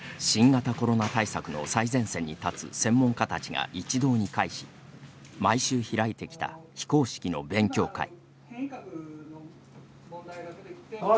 新型コロナ対策の最前線に立つ専門家たちが一堂に会し毎週、開いてきた非公式の勉強会。